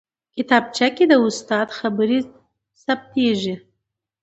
کتابچه کې د استاد خبرې ثبتېږي